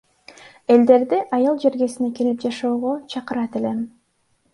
Элдерди айыл жергесине келип жашоого чакырат элем.